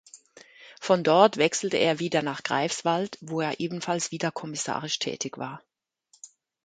Von dort wechselte er wieder nach Greifswald, wo er ebenfalls wieder kommissarisch tätig war.